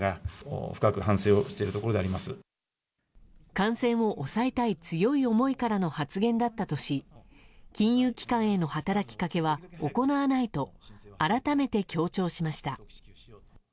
感染を抑えたい強い思いからの発言だったとし金融機関への働きかけは行わないと、改めて強調しました。